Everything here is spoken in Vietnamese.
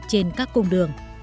trên các cung đường